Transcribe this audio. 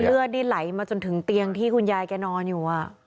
เลือดนี่ไหลมาจนถึงเตียงที่คุณยายแกนอนอยู่